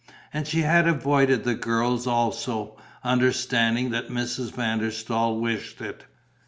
And she had avoided the girls also, understanding that Mrs. van der Staal wished it.